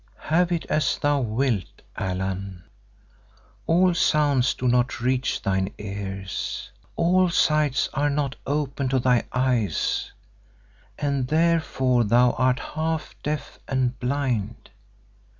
"Have it as thou wilt, Allan. All sounds do not reach thine ears; all sights are not open to thy eyes and therefore thou art both half deaf and blind.